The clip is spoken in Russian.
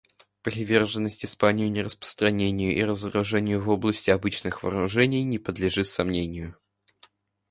Приверженность Испании нераспространению и разоружению в области обычных вооружений не подлежит сомнению.